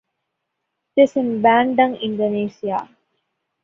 It is in Bandung, Indonesia.